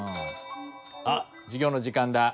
あっ授業の時間だ。